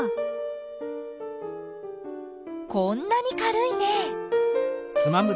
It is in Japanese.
こんなに軽いね。